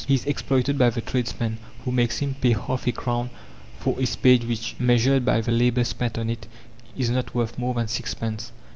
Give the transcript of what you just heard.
He is exploited by the tradesman, who makes him pay half a crown for a spade which, measured by the labour spent on it, is not worth more than sixpence.